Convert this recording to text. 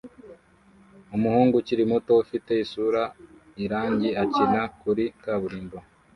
Umuhungu ukiri muto ufite isura irangi akina kuri kaburimbo